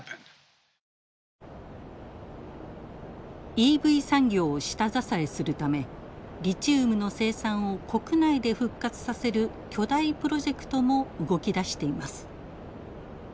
ＥＶ産業を下支えするためリチウムの生産を国内で復活させる巨大プロジェクトも動き出しています。